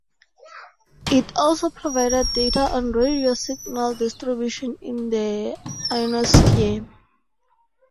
It also provided data on radio-signal distribution in the ionosphere.